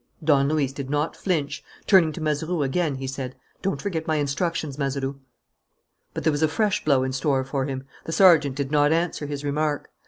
Don Luis did not flinch. Turning to Mazeroux again, he said: "Don't forget my instructions, Mazeroux." But there was a fresh blow in store for him. The sergeant did not answer his remark.